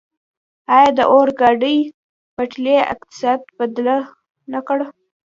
آیا د اورګاډي پټلۍ اقتصاد بدل نه کړ؟